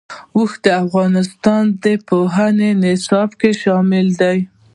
اوښ د افغانستان د پوهنې نصاب کې شامل دي.